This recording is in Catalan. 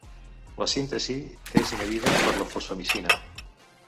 La síntesi és inhibida per la fosfomicina.